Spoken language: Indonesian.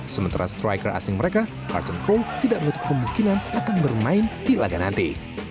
sementara striker asing mereka marcon cole tidak menutup kemungkinan akan bermain di laga nanti